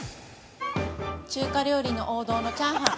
◆中華料理の王道のチャーハン。